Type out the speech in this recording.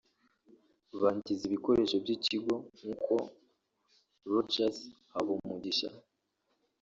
bangiza ibikoresho by’ikigo nkuko Rodgers Habomugisha